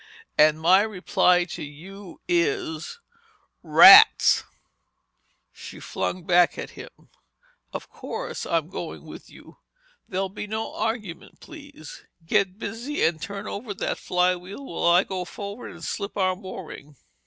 "And my reply to you is—rats!" she flung back at him. "Of course I'm going with you. There'll be no argument, please. Get busy and turn over that flywheel while I go forward and slip our mooring."